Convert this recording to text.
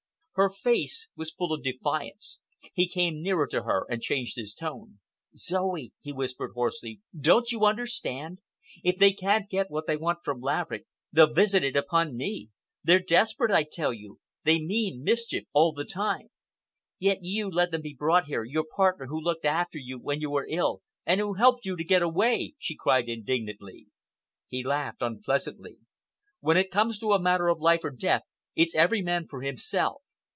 Her face was full of defiance. He came nearer to her and changed his tone. "Zoe," he whispered hoarsely, "don't you understand? If they can't get what they want from Laverick, they'll visit it upon me. They're desperate, I tell you. They mean mischief all the time." "Yet you let him be brought here, your partner who looked after you when you were ill, and who helped you to get away!" she cried indignantly. He laughed unpleasantly. "When it comes to a matter of life or death, it's every man for himself.